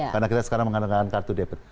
karena kita sekarang mengandalkan kartu debit